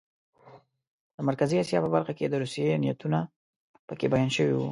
د مرکزي اسیا په برخه کې د روسیې نیتونه پکې بیان شوي وو.